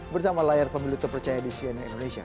bersama layar pemilu terpercaya di cnn indonesia